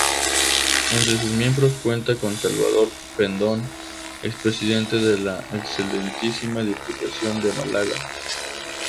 Entre sus miembros cuenta con Salvador Pendón, expresidente de la Excelentísima Diputación de Málaga.